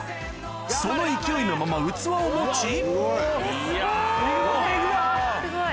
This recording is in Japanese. その勢いのまま器を持ちすごい。